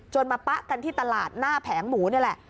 มาปะกันที่ตลาดหน้าแผงหมูนี่แหละ